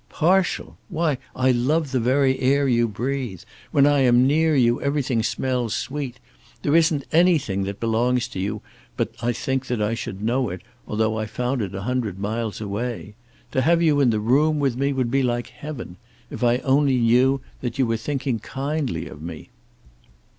"Partial! Why, I love the very air you breathe. When I am near you, everything smells sweet. There isn't anything that belongs to you but I think I should know it, though I found it a hundred miles away. To have you in the room with me would be like heaven, if I only knew that you were thinking kindly of me."